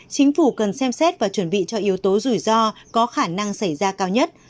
chính phủ cần xem xét và chuẩn bị cho yếu tố rủi ro có khả năng xảy ra cao nhất